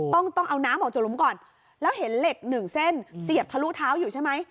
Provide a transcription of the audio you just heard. ต้องต้องเอาน้ำออกจากหลุมก่อนแล้วเห็นเหล็กหนึ่งเส้นเสียบทะลุเท้าอยู่ใช่ไหม